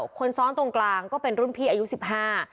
คนซ้อนตรงกลางก็เป็นรุ่นพี่อายุสิบห้า